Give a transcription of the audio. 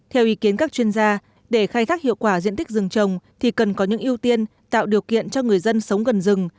theo ý kiến các chuyên gia để khai thác hiệu quả diện tích rừng trồng thì cần có những ưu tiên tạo điều kiện cho người dân sống gần rừng